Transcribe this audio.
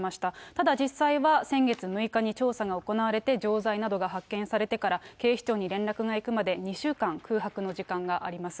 ただ実際は、先月６日に調査が行われて、錠剤などが発見されてから、警視庁に連絡がいくまで２週間、空白の時間があります。